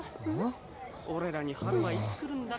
俺らに春はいつ来るんだか。